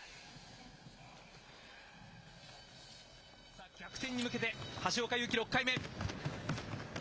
さあ、逆転に向けて橋岡優輝、６回目。